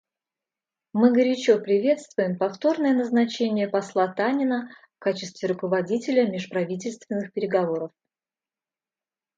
Мы горячо приветствуем повторное назначение посла Танина в качестве руководителя межправительственных переговоров.